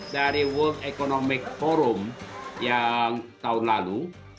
dari world economic forum yang tahun lalu